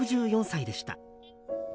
６４歳でした。